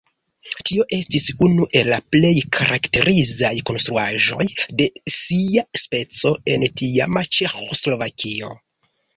Tio estis unu el la plej karakterizaj konstruaĵoj de sia speco en tiama Ĉeĥoslovakio.